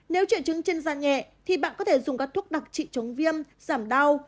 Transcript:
nếu trị trứng trên da nhẹ thì bạn có thể dùng các thuốc đặc trị chống viêm giảm đau